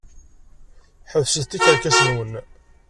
Ḥebset tikerkas-nwen!